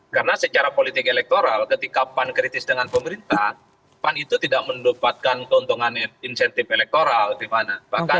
karena secara politik elektoral ketika pan kritis dengan pemerintah pan itu tidak mendapatkan keuntungan insentif elektoral di mana